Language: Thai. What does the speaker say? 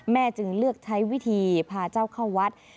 จึงเลือกใช้วิธีพาเจ้าเข้าวัด